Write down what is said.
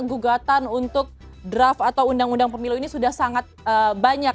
gugatan untuk draft atau undang undang pemilu ini sudah sangat banyak